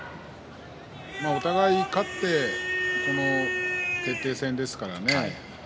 お互い勝って決定戦ですからね